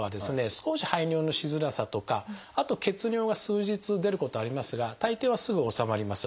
少し排尿のしづらさとかあと血尿が数日出ることはありますが大抵はすぐ治まります。